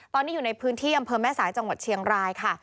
ตอนนี้อยู่ในพื้นที่อำเภอแม่สายจังหวัดเชียงรายค่ะ